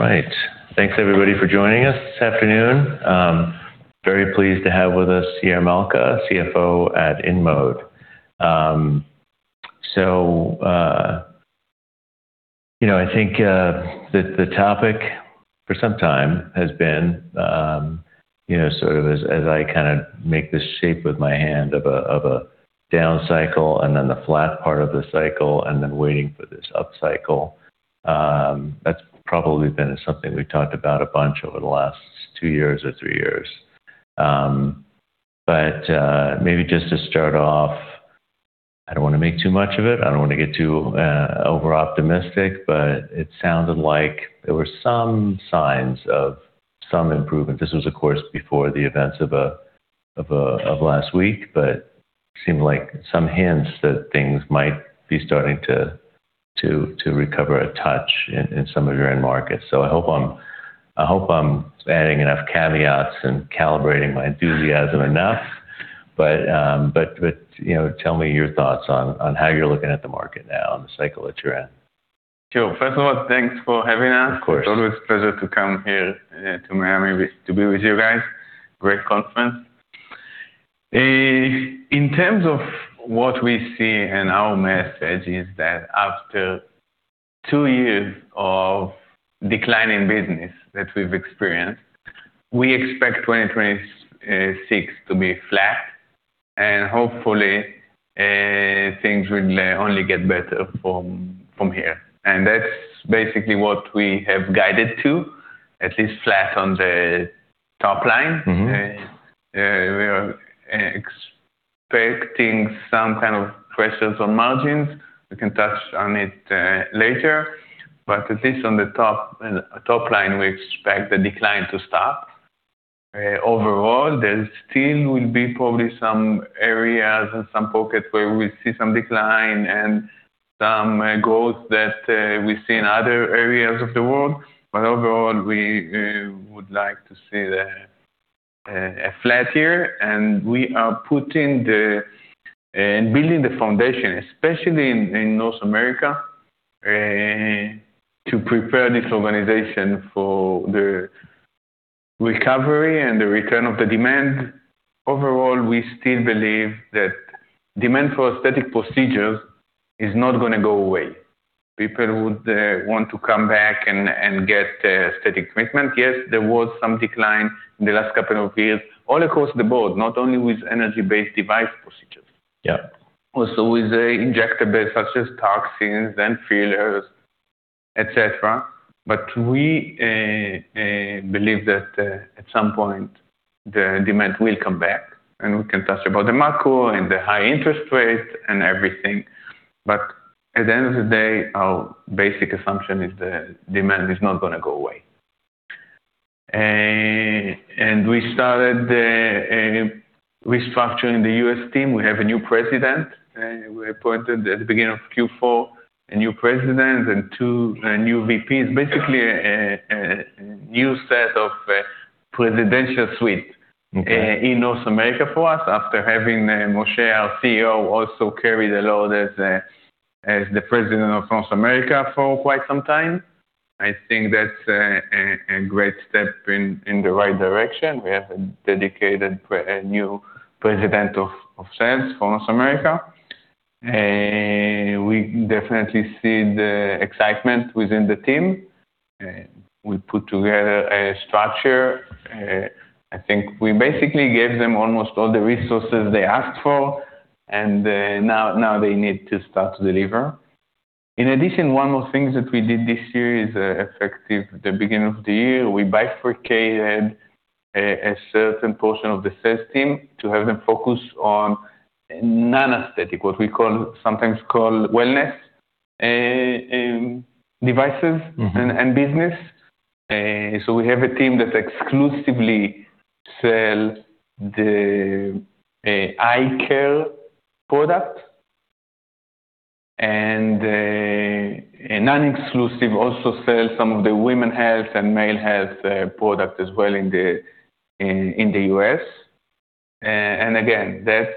All right. Thanks everybody for joining us this afternoon. Very pleased to have with us Yair Malca, CFO at InMode. You know, I think the topic for some time has been you know, sort of as I kinda make this shape with my hand of a down cycle and then the flat part of the cycle and then waiting for this upcycle. That's probably been something we've talked about a bunch over the last two years or three years. Maybe just to start off, I don't wanna make too much of it, I don't wanna get too over-optimistic, but it sounded like there were some signs of some improvement. This was, of course, before the events of last week, but seemed like some hints that things might be starting to recover a touch in some of your end markets. I hope I'm adding enough caveats and calibrating my enthusiasm enough. You know, tell me your thoughts on how you're looking at the market now and the cycle that you're in. Sure. First of all, thanks for having us. Of course. It's always a pleasure to come here to Miami to be with you guys. Great conference. In terms of what we see and our message is that after two years of declining business that we've experienced, we expect 2026 to be flat, and hopefully, things will only get better from here. That's basically what we have guided to, at least flat on the top line. We are expecting some kind of pressures on margins. We can touch on it later. At least on the top line, we expect the decline to stop. Overall, there still will be probably some areas and some pockets where we see some decline and some growth that we see in other areas of the world. Overall, we would like to see a flat year, and we are building the foundation, especially in North America, to prepare this organization for the recovery and the return of the demand. Overall, we still believe that demand for aesthetic procedures is not gonna go away. People would want to come back and get aesthetic treatment. Yes, there was some decline in the last couple of years, all across the board, not only with energy-based device procedures. Yeah. Also with the injectable, such as toxins and fillers, etc. We believe that at some point, the demand will come back, and we can touch about the macro and the high interest rates and everything. At the end of the day, our basic assumption is the demand is not gonna go away. We started restructuring the U.S. team. We have a new president we appointed at the beginning of Q4 and two new VPs. Basically a new set of presidential suite. Okay In North America for us after having Moshe, our CEO, also carry the load as the president of North America for quite some time. I think that's a great step in the right direction. We have a dedicated new president of sales for North America. We definitely see the excitement within the team. We put together a structure. I think we basically gave them almost all the resources they asked for, and now they need to start to deliver. In addition, one more thing that we did this year is effective at the beginning of the year, we bifurcated a certain portion of the sales team to have them focus on non-aesthetic, what we sometimes call wellness, devices and business. We have a team that exclusively sell the eye care product. A non-exclusive also sell some of the women's health and male health product as well in the U.S. Again, that's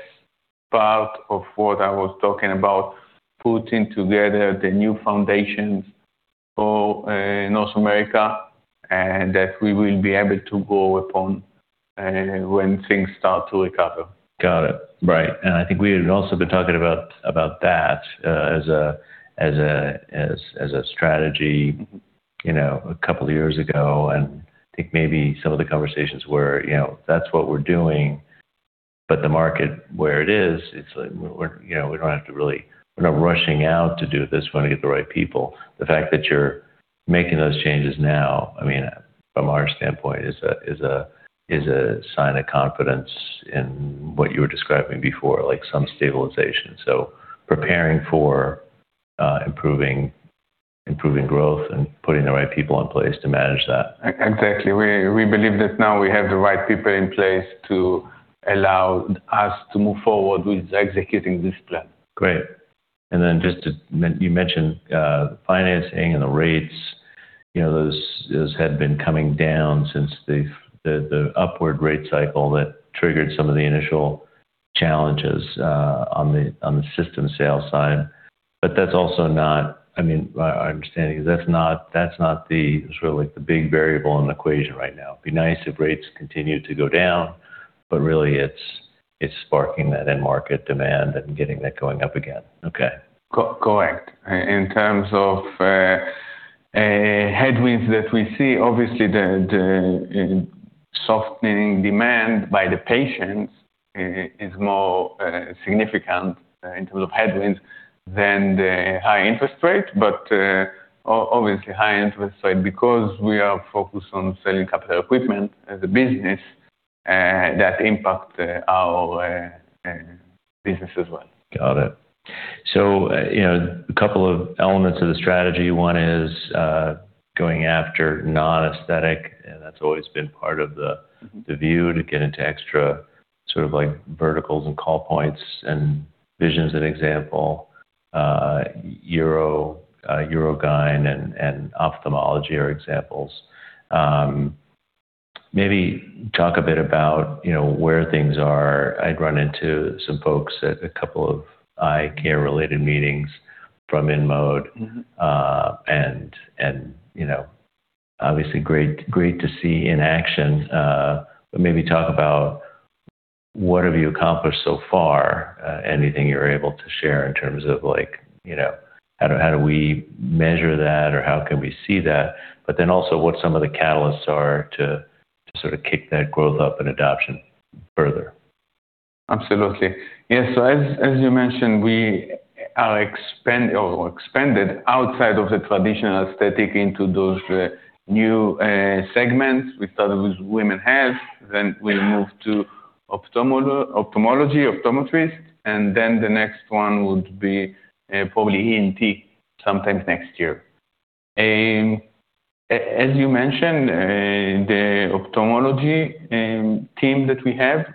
part of what I was talking about, putting together the new foundations for North America, and that we will be able to grow upon when things start to recover. Got it. Right. I think we had also been talking about that as a strategy, you know, a couple of years ago. I think maybe some of the conversations were, you know, that's what we're doing. The market where it is, it's like we're, you know, we don't have to really, we're not rushing out to do this. We wanna get the right people. The fact that you're making those changes now, I mean, from our standpoint is a sign of confidence in what you were describing before, like some stabilization. Preparing for improving growth and putting the right people in place to manage that. Exactly. We believe that now we have the right people in place to allow us to move forward with executing this plan. Great. You mentioned financing and the rates. You know, those had been coming down since the upward rate cycle that triggered some of the initial challenges on the system sales side. That's also not—I mean, my understanding is that's not the sort of like the big variable in the equation right now. It'd be nice if rates continue to go down. Really it's sparking that end market demand and getting that going up again. Okay. Correct. In terms of headwinds that we see, obviously, the softening demand by the patients is more significant in terms of headwinds than the high interest rate. Obviously, high interest rate, because we are focused on selling capital equipment as a business, that impact our business as well. Got it. You know, a couple of elements of the strategy. One is going after non-aesthetic, and that's always been part of the view to get into extra sort of like verticals and call points and divisions, for example, urogyn and ophthalmology are examples. Maybe talk a bit about, you know, where things are. I ran into some folks at a couple of eye care related meetings from InMode. You know, obviously great to see in action. Maybe talk about what have you accomplished so far, anything you're able to share in terms of like, you know, how do we measure that or how can we see that? Then also what some of the catalysts are to sort of kick that growth up and adoption further. Absolutely. Yes. As you mentioned, we expanded outside of the traditional aesthetic into those new segments. We started with women's health, then we moved to ophthalmology, optometry, and then the next one would be probably ENT sometime next year. As you mentioned, the ophthalmology team that we have,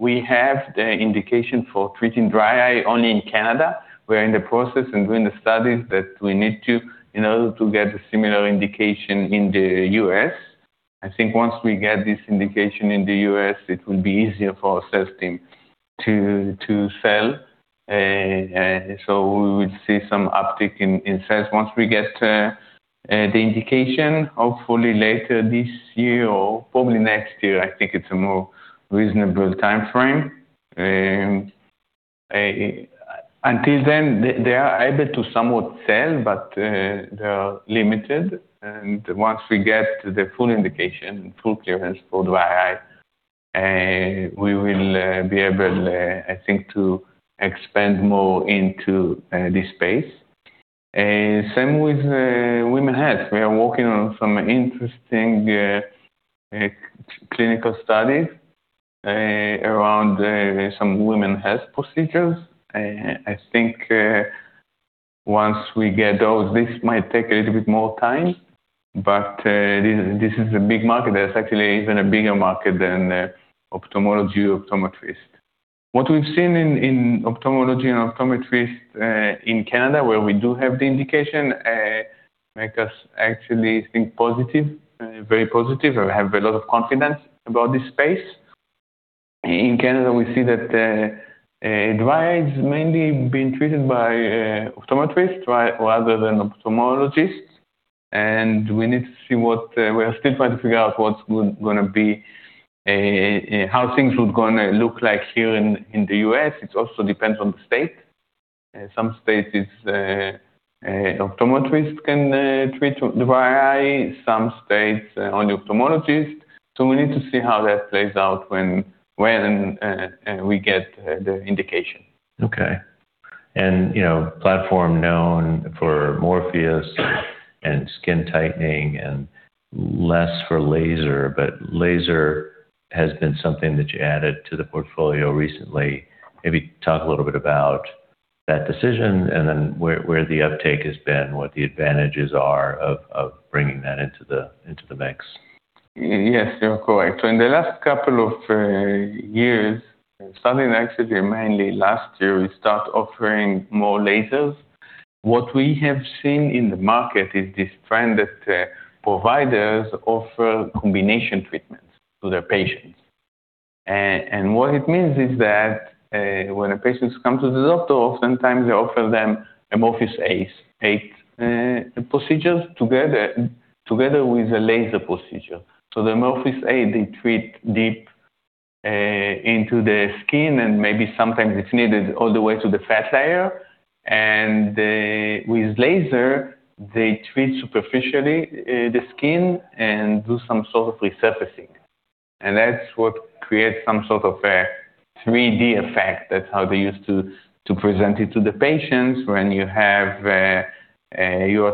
we have the indication for treating dry eye only in Canada. We're in the process and doing the studies that we need to in order to get a similar indication in the U.S. I think once we get this indication in the U.S., it will be easier for our sales team to sell, so we would see some uptick in sales once we get the indication, hopefully later this year or probably next year. I think it's a more reasonable timeframe. Until then, they are able to somewhat sell, but they are limited. Once we get the full indication, full clearance for dry eye, we will be able, I think, to expand more into this space. Same with women's health. We are working on some interesting clinical studies around some women's health procedures. I think once we get those, this might take a little bit more time, but this is a big market. There's actually even a bigger market than ophthalmology, optometrists. What we've seen in ophthalmology and optometrists in Canada where we do have the indication make us actually think positive, very positive. I have a lot of confidence about this space. In Canada, we see that dry eye's mainly being treated by optometrists rather than ophthalmologists, and we need to see what we are still trying to figure out what's gonna be how things would gonna look like here in the U.S. It also depends on the state. Some states is optometrists can treat dry eye, some states only ophthalmologists. We need to see how that plays out when we get the indication. Okay. You know, platform known for Morpheus8 and skin tightening and less for laser, but laser has been something that you added to the portfolio recently. Maybe talk a little bit about that decision and then where the uptake has been, what the advantages are of bringing that into the mix. Yes, you're correct. In the last couple of years, starting actually mainly last year, we start offering more lasers. What we have seen in the market is this trend that providers offer combination treatments to their patients. What it means is that when a patient comes to the doctor, oftentimes they offer them a Morpheus8 procedures together with a laser procedure. The Morpheus8, they treat deep into the skin and maybe sometimes it's needed all the way to the fat layer. With laser, they treat superficially the skin and do some sort of resurfacing. That's what creates some sort of a 3-D effect. That's how they used to present it to the patients when you are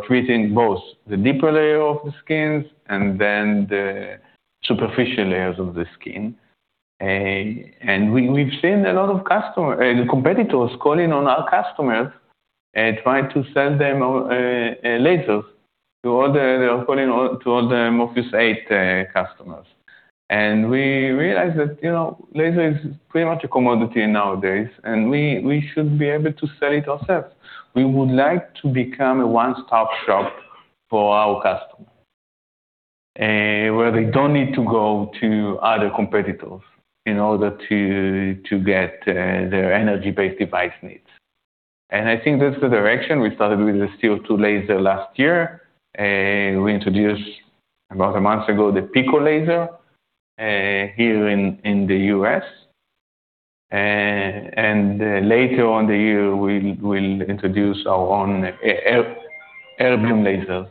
treating both the deeper layer of the skins and then the superficial layers of the skin. We've seen a lot of competitors calling on our customers, trying to sell them lasers to all the Morpheus8 customers. We realized that, you know, laser is pretty much a commodity nowadays, and we should be able to sell it ourselves. We would like to become a one-stop shop for our customers, where they don't need to go to other competitors in order to get their energy-based device needs. I think that's the direction we started with the CO2 laser last year. We introduced about a month ago the Pico laser here in the U.S. Later on this year we'll introduce our own Erbium laser.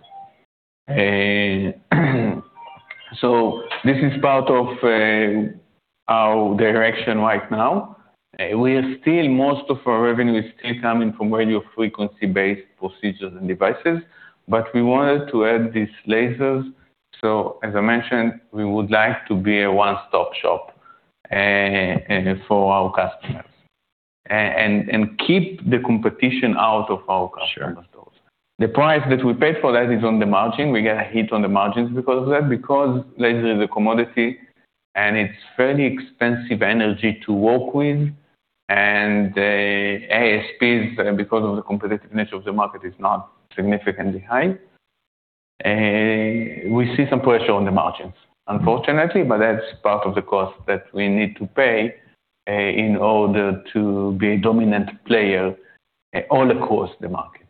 This is part of our direction right now. Most of our revenue is still coming from radiofrequency-based procedures and devices, but we wanted to add these lasers. As I mentioned, we would like to be a one-stop shop for our customers and keep the competition out of our customers. Sure. The price that we paid for that is on the margin. We get a hit on the margins because of that, because laser is a commodity, and it's fairly expensive energy to work with. ASPs, because of the competitiveness of the market, is not significantly high. We see some pressure on the margins, unfortunately, but that's part of the cost that we need to pay in order to be a dominant player across the market.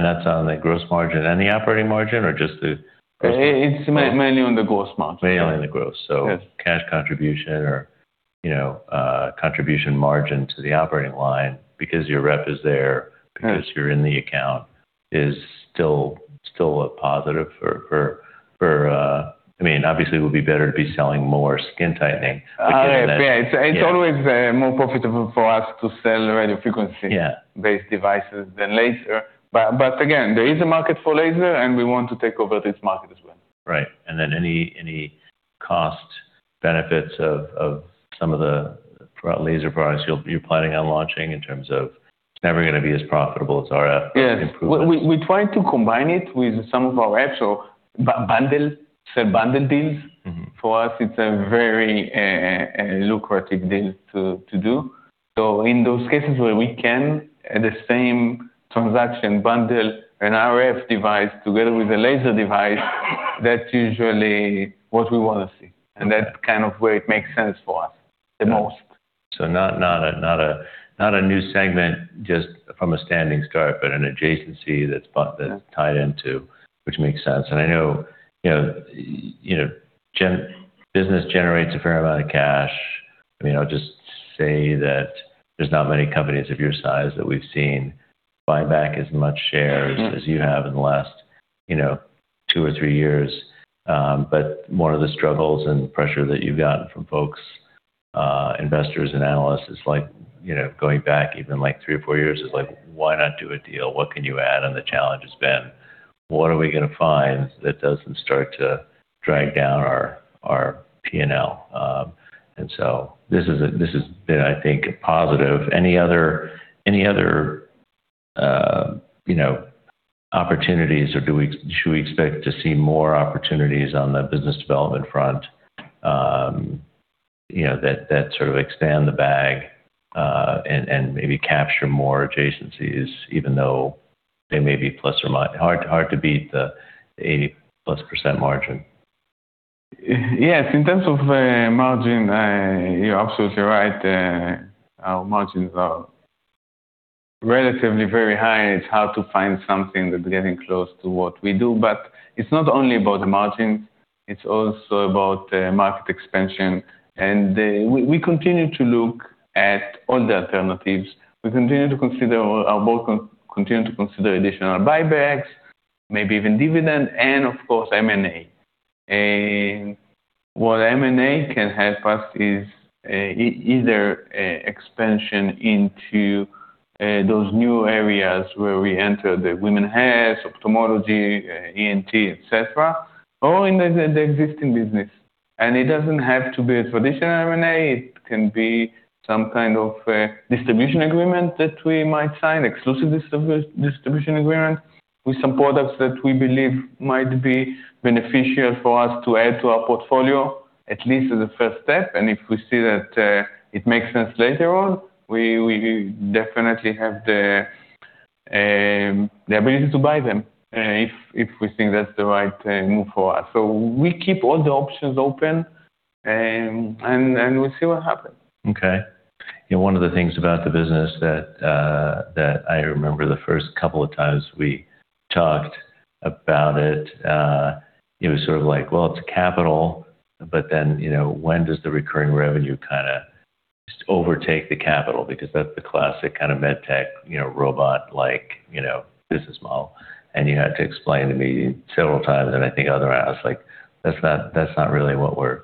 That's on the gross margin. Any operating margin or just the gross margin? It's mainly on the gross margin. Mainly on the gross. Yes. Cash contribution or, you know, contribution margin to the operating line because your rep is there, because you're in the account is still a positive for, I mean, obviously it would be better to be selling more skin tightening than Yeah. It's always more profitable for us to sell radiofrequency. energy-based devices than laser. Again, there is a market for laser, and we want to take over this market as well. Right. Any cost benefits of some of the laser products you're planning on launching in terms of it's never gonna be as profitable as RF improvements. Yes. We try to combine it with some of our actual bundle, sell bundle deals. For us it's a very lucrative deal to do. In those cases where we can, at the same transaction, bundle an RF device together with a laser device, that's usually what we wanna see. Okay. That's kind of where it makes sense for us the most. Not a new segment just from a standing start, but an adjacency that's tied into which makes sense. I know, you know, you know, business generates a fair amount of cash. I mean, I'll just say that there's not many companies of your size that we've seen buy back as much shares.... as you have in the last, you know, two or three years. More of the struggles and pressure that you've gotten from folks, investors, analysts is like, you know, going back even like three or four years is like, "Why not do a deal? What can you add?" The challenge has been, what are we gonna find that doesn't start to drag down our PNL? This has been, I think, positive. Any other opportunities or should we expect to see more opportunities on the business development front, you know, that sort of expand the bag, and maybe capture more adjacencies even though they may be hard to beat the 80%+ margin? Yes. In terms of margin, you're absolutely right. Our margins are relatively very high. It's hard to find something that's getting close to what we do. It's not only about the margin, it's also about market expansion. We continue to look at all the alternatives. We continue to consider additional buybacks, maybe even dividend, and of course, M&A. What M&A can help us is either expansion into those new areas where we enter the women's health, ophthalmology, ENT, et cetera, or in the existing business. It doesn't have to be a traditional M&A. It can be some kind of a distribution agreement that we might sign, exclusive distribution agreement with some products that we believe might be beneficial for us to add to our portfolio, at least as a first step. If we see that it makes sense later on, we definitely have the ability to buy them, if we think that's the right move for us. We keep all the options open, and we'll see what happens. Okay. You know, one of the things about the business that I remember the first couple of times we talked about it was sort of like, well, it's capital, but then, you know, when does the recurring revenue kinda overtake the capital? Because that's the classic kind of med tech, you know, robot-like, you know, business model. You had to explain to me several times, and I think other analysts like, "That's not really what we're,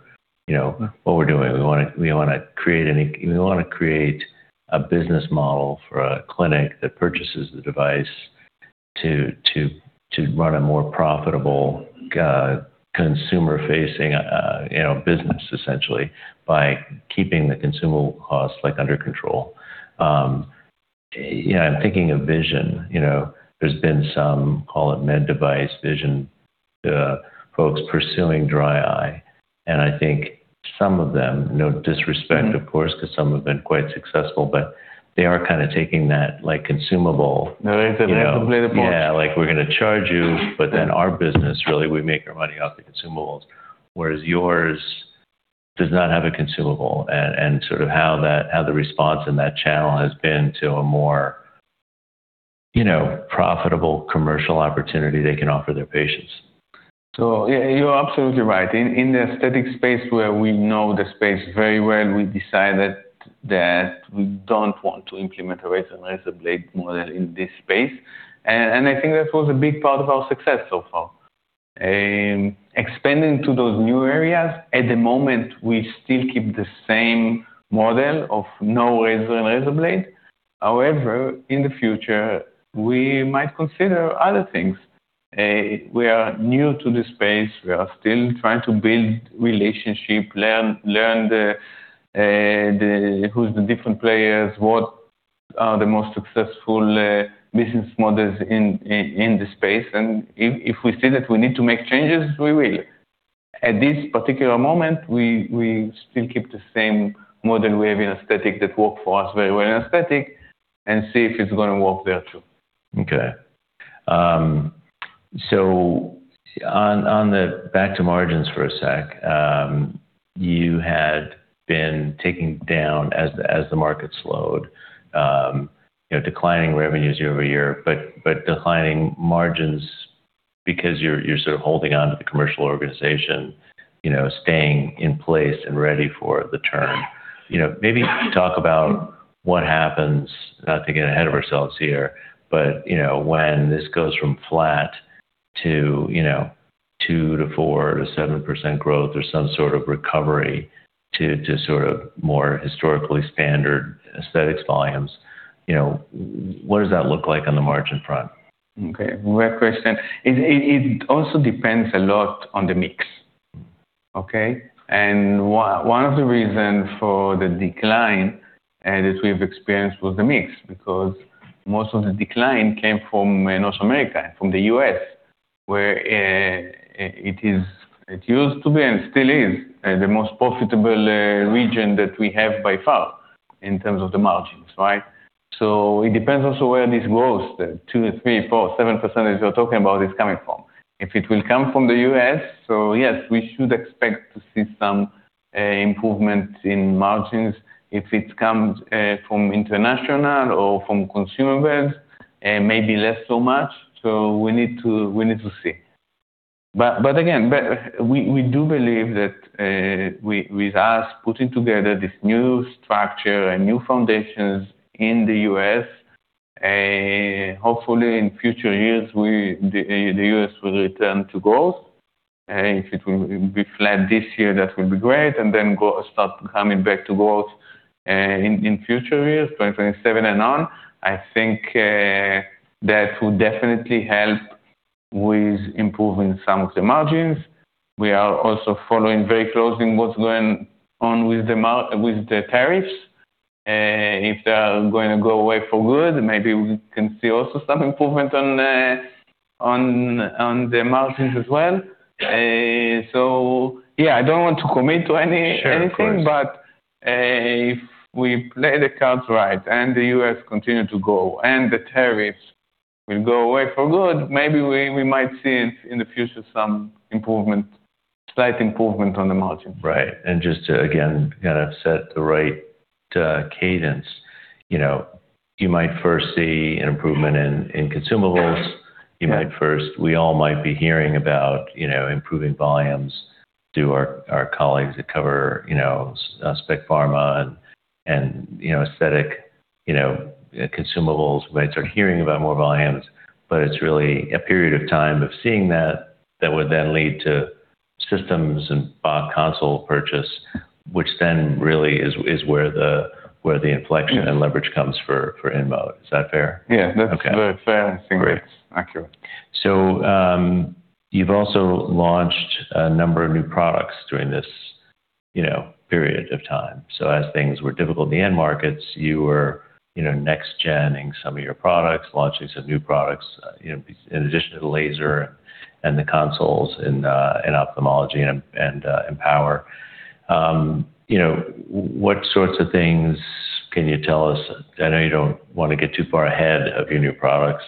you know, what we're doing. We wanna create a business model for a clinic that purchases the device to run a more profitable consumer-facing, you know, business essentially by keeping the consumable costs, like, under control." You know, I'm thinking of vision. You know, there's been some, call it med device vision, folks pursuing dry eye. I think some of them, no disrespect of course, 'cause some have been quite successful, but they are kinda taking that like consumable- No razor and razor blade approach. Yeah. Like, we're gonna charge you, but then our business, really, we make our money off the consumables, whereas yours does not have a consumable. Sort of how the response in that channel has been to a more, you know, profitable commercial opportunity they can offer their patients. Yeah, you're absolutely right. In the aesthetic space where we know the space very well, we decided that we don't want to implement a razor and razor blade model in this space. I think that was a big part of our success so far. Expanding to those new areas, at the moment we still keep the same model of no razor and razor blade. However, in the future, we might consider other things. We are new to the space. We are still trying to build relationship, learn the who's the different players, what are the most successful business models in the space. If we see that we need to make changes, we will. At this particular moment, we still keep the same model we have in aesthetic that worked for us very well in aesthetic and see if it's gonna work there too. Okay. So back to margins for a sec. You had been taking down as the market slowed, you know, declining revenues year-over-year, but declining margins because you're sort of holding on to the commercial organization, you know, staying in place and ready for the turn. You know, maybe talk about what happens, not to get ahead of ourselves here, but you know, when this goes from flat to, you know, 2% to 4% to 7% growth or some sort of recovery to sort of more historically standard aesthetics volumes, you know, what does that look like on the margin front? Okay. Great question. It also depends a lot on the mix. Okay? One of the reason for the decline that we've experienced was the mix, because most of the decline came from North America, from the U.S., where it used to be and still is the most profitable region that we have by far in terms of the margins, right? It depends also where this growth, the 2%, 3%, 4%, 7% as you're talking about is coming from. If it will come from the U.S., yes, we should expect to see some improvement in margins. If it comes from international or from consumables, maybe less so much. We need to see. We do believe that with us putting together this new structure and new foundations in the U.S., hopefully in future years, the U.S. will return to growth. If it will be flat this year, that will be great, and then start coming back to growth in future years, 2027 and on. I think that will definitely help with improving some of the margins. We are also following very closely what's going on with the tariffs. If they are gonna go away for good, maybe we can see also some improvement on the margins as well. Yeah, I don't want to commit to any- Sure. Of course.... anything, if we play the cards right and the U.S. continue to grow and the tariffs will go away for good, maybe we might see in the future some improvement, slight improvement on the margins. Right. Just to, again, kinda set the right cadence, you know, you might first see an improvement in consumables. We all might be hearing about, you know, improving volumes through our colleagues that cover, you know, specialty pharma and, you know, aesthetic consumables. We might start hearing about more volumes, but it's really a period of time of seeing that that would then lead to systems and console purchase, which then really is where the inflection and leverage comes for InMode. Is that fair? Yeah. Okay. That's very fair. Great. I think that's accurate. You've also launched a number of new products during this, you know, period of time. As things were difficult in the end markets, you were, you know, next genning some of your products, launching some new products, you know, in addition to the laser and the consoles in ophthalmology and Empower. You know, what sorts of things can you tell us? I know you don't wanna get too far ahead of your new products,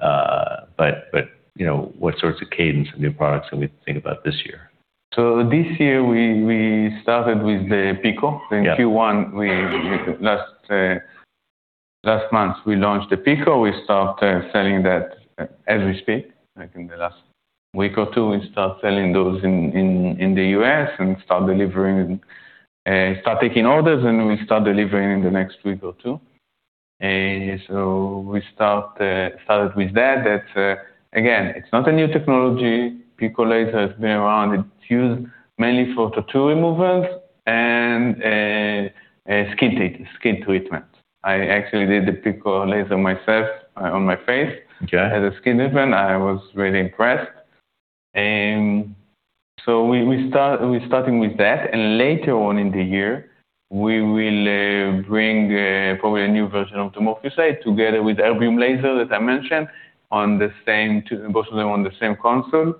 but you know, what sorts of cadence of new products can we think about this year? This year we started with the Pico. In Q1 last month we launched the Pico. We start selling that as we speak. I think the last week or two we start selling those in the U.S. and start taking orders, and we start delivering in the next week or two. We started with that. That's again, it's not a new technology. Pico laser has been around. It's used mainly for tattoo removals and skin treatment. I actually did the Pico laser myself on my face. Okay. As a skin treatment. I was really impressed. We're starting with that, and later on in the year we will bring probably a new version of the Morpheus8 together with Erbium laser that I mentioned both of them on the same console.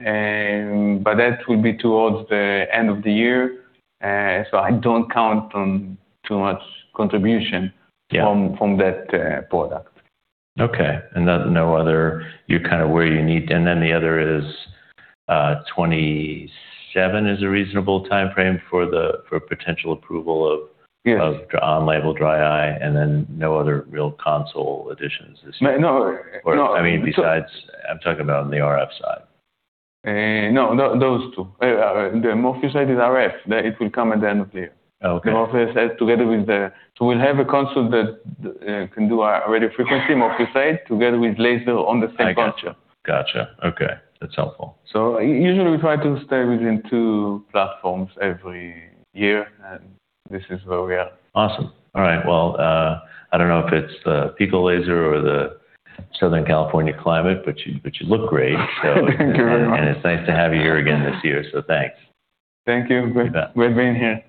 But that will be towards the end of the year. So I don't count on too much contribution-from that product. Okay. You're kinda where you need. Then the other is, 2027 is a reasonable timeframe for potential approval of- Yes ...of on-label dry eye, and then no other real console additions this year? No. No. I mean, I'm talking about on the RF side. No, no, those two. The Morpheus8 is RF. That it will come at the end of the year. Okay. Morpheus8 together with the. We'll have a console that can do radiofrequency Morpheus8 together with laser on the same console. I gotcha. Okay. That's helpful. Usually we try to stay within two platforms every year, and this is where we are. Awesome. All right. Well, I don't know if it's the Pico laser or the Southern California climate, but you look great. Thank you very much. It's nice to have you here again this year, so thanks. Thank you. You bet. Great being here.